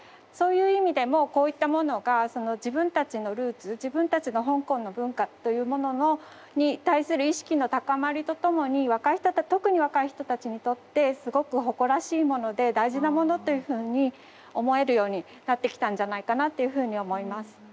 そういう意味でもこういったものが自分たちのルーツ自分たちの香港の文化というものに対する意識の高まりとともに若い人特に若い人たちにとってすごく誇らしいもので大事なものというふうに思えるようなってきたんじゃないかなっていうふうに思います。